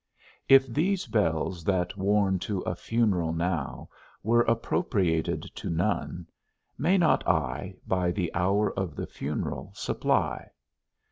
If these bells that warn to a funeral now, were appropriated to none, may not I, by the hour of the funeral, supply?